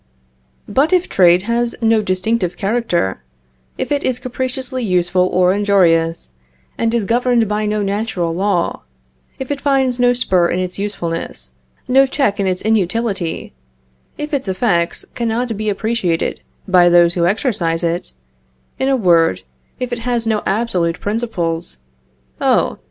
But if trade has no distinctive character, if it is capriciously useful or injurious, and is governed by no natural law, if it finds no spur in its usefulness, no check in its inutility, if its effects cannot be appreciated by those who exercise it; in a word, if it has no absolute principles, oh!